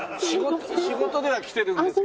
仕事では来てるんですけど。